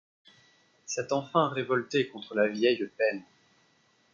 S'est enfin révolté contre la vieille peine